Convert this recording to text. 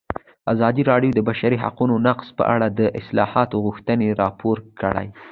ازادي راډیو د د بشري حقونو نقض په اړه د اصلاحاتو غوښتنې راپور کړې.